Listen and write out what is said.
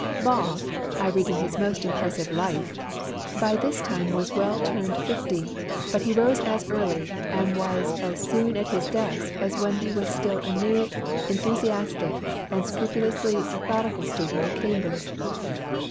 "Law," I read in his most impressive Life, "by this time was well turned fifty, but he rose as early and was as soon at his desk as when he was still a new, enthusiastic, and scrupulously methodical student at Cambridge."